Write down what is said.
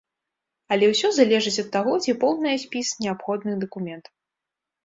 Але ўсё залежыць ад таго, ці поўнае спіс неабходных дакументаў.